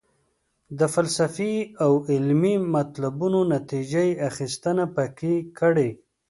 د فلسفي او علمي مطلبونو نتیجه یې اخیستنه پکې کړې.